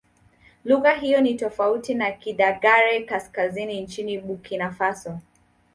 Lugha hiyo ni tofauti na Kidagaare-Kaskazini nchini Burkina Faso.